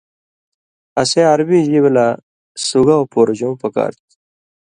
اسے عربی ژیب لا سُگاؤ پورژؤں پکار تُھو؛